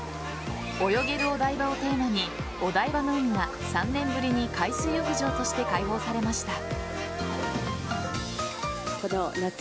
泳げるお台場をテーマにお台場の海が３年ぶりに海水浴場として開放されました。